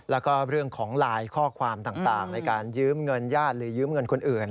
แล้วก็เรื่องของไลน์ข้อความต่างในการยืมเงินญาติหรือยืมเงินคนอื่น